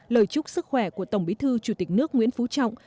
lời chúc sức khỏe của tổng bí thư chủ tịch nước nguyễn phú trọng